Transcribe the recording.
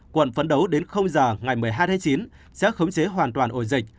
quận phấn đấu đến giờ ngày một mươi hai tháng chín sẽ khống chế hoàn toàn ổ dịch